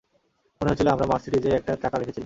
মনে হয়েছিলো আমরা মার্সিডিজে একটা ট্র্যাকার রেখেছিলাম।